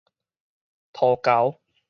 塗猴